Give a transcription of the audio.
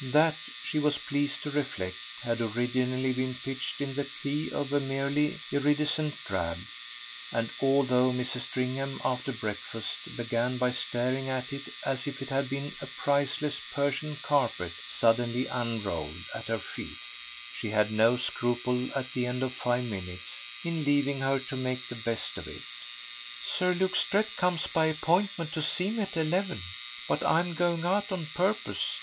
That, she was pleased to reflect, had originally been pitched in the key of a merely iridescent drab; and although Mrs. Stringham, after breakfast, began by staring at it as if it had been a priceless Persian carpet suddenly unrolled at her feet, she had no scruple, at the end of five minutes, in leaving her to make the best of it. "Sir Luke Strett comes, by appointment, to see me at eleven, but I'm going out on purpose.